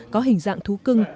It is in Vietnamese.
có hình dạng thú cưng